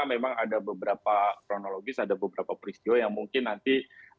memang ada beberapa kronologis ada beberapa peristiwa yang mungkin nanti